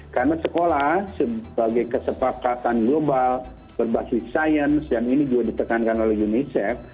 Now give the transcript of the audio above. karena sekolah sebagai kesepakatan global berbasis sains dan ini juga ditekankan oleh unicef